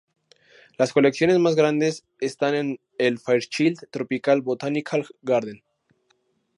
Las colecciones más grandes están en el Fairchild Tropical Botanical Garden.